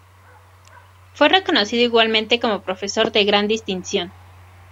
Fue reconocido igualmente como profesor de gran distinción.